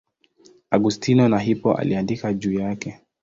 Augustino wa Hippo aliandika juu yake.